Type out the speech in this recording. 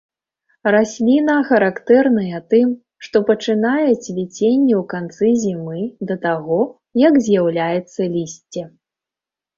Расліна характэрная тым, што пачынае цвіценне ў канцы зімы да таго, як з'яўляецца лісце.